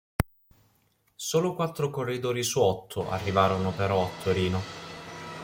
Solo quattro corridori su otto arrivarono però a Torino.